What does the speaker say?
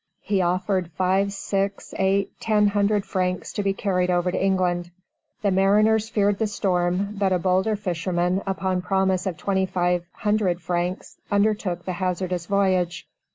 He offered five, six, eight, ten hundred francs to be carried over to England. The mariners feared the storm; but a bolder fisherman, upon promise of twenty five hundred francs, undertook the hazardous voyage.